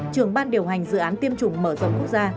trường ban điều hành dự án tiêm chủng